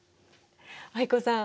藍子さん